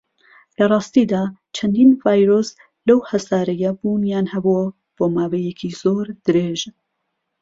لەڕاستیدا، چەندین ڤایرۆس لەو هەسارەیە بوونیان هەبووە بۆ ماوەیەکی زۆر درێژ.